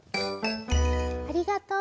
ありがとう。